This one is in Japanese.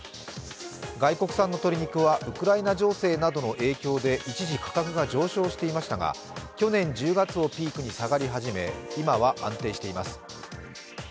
外国産の鶏肉はウクライナ情勢などの影響で一時、価格が上昇していましたが去年１０月をピークに下がり始め、今は安定しています。